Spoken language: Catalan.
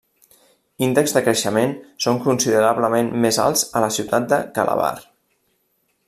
Índexs de creixement són considerablement més alts a la ciutat de Calabar.